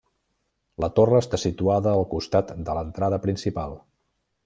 La torre està situada al costat de l'entrada principal.